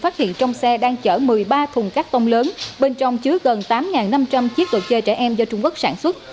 phát hiện trong xe đang chở một mươi ba thùng cắt tông lớn bên trong chứa gần tám năm trăm linh chiếc đồ chơi trẻ em do trung quốc sản xuất